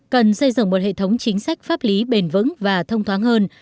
cần xây dựng một hệ thống chính sách pháp lý bền vững và thông thoáng hơn